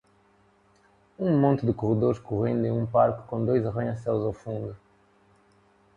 Um monte de corredores correndo em um parque com dois arranha-céus ao fundo